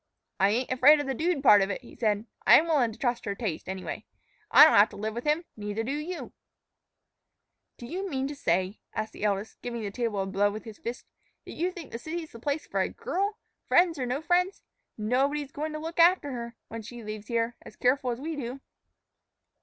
"I ain't afraid of the dude part of it," he said; "I'm willin' to trust her taste, anyway. I don't have to live with him; neither do you." "Do you mean to say," asked the eldest, giving the table a blow with his fist, "that you think a city's the place for a girl, friends or no friends? Nobody's goin' to look after her, when she leaves here, as careful as we do."